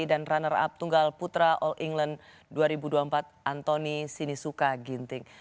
dan runner up tunggal putra all england dua ribu dua puluh empat antoni sinisuka ginting